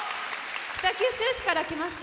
北九州市から来ました。